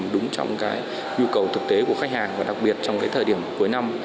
đúng trong cái nhu cầu thực tế của khách hàng và đặc biệt trong cái thời điểm cuối năm